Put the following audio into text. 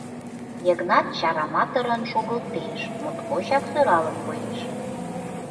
— Йыгнат чараматырын шогылтеш, моткочак сӧралын коеш.